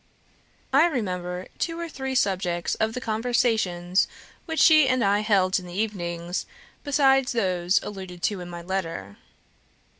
I remember two or three subjects of the conversations which she and I held in the evenings, besides those alluded to in my letter.